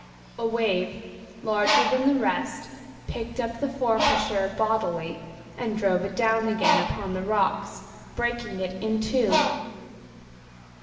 A wave, larger than the rest, picked up the Forfarshire bodily and drove it down again upon the rocks, breaking it in two.